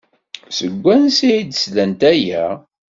Seg wansi ay d-slant aya?